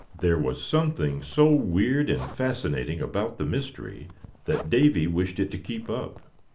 There was something so weird and fascinating about the mystery that Davy wished it to keep up.